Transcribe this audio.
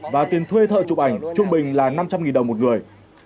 và tiền thuê thợ chụp ảnh trung bình là năm trăm linh đồng một người